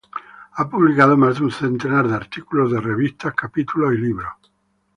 Ha publicado más de un centenar de artículos de revistas, capítulos y libros.